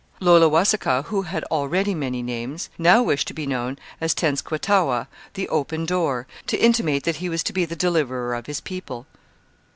Laulewasikaw, who had already many names, now wished to be known as Tenskwatawa, 'the Open Door,' to intimate that he was to be the deliverer of his people.